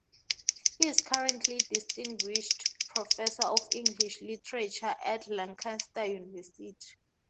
He is currently Distinguished Professor of English Literature at Lancaster University.